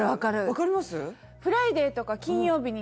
分かります？